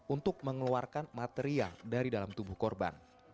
untuk mengeluarkan material dari dalam tubuh korban